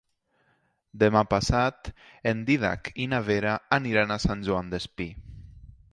Demà passat en Dídac i na Vera aniran a Sant Joan Despí.